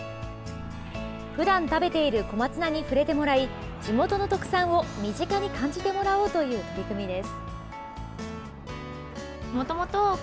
ふだん食べている小松菜に触れてもらい地元の特産を身近に感じてもらおうという取り組みです。